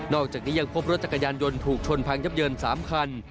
อกจากนี้ยังพบรถจักรยานยนต์ถูกชนพังยับเยิน๓คัน